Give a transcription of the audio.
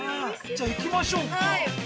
じゃあ、行きましょうか。